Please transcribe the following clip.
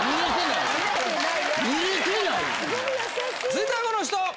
続いてはこの人！